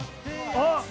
あっ。